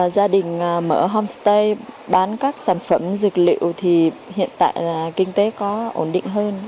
gia đình mở homestay bán các sản phẩm dược liệu thì hiện tại là kinh tế có ổn định hơn